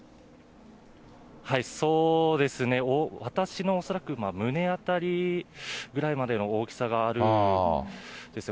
そうですね、私の恐らく胸辺りぐらいまでの大きさがあるんですよ。